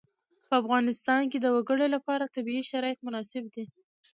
په افغانستان کې د وګړي لپاره طبیعي شرایط مناسب دي.